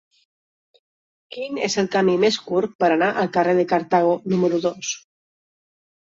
Quin és el camí més curt per anar al carrer de Cartago número dos?